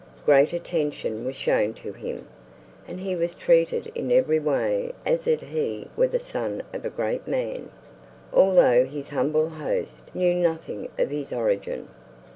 Great attention was shown to him, and he was treated in every way as it he were the son of a great man, although his humble host knew nothing of his origin.